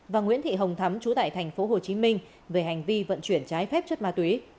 và nguyễn thị hồng thắm chú tại tp hcm về hành vi vận chuyển trái phép chất ma túy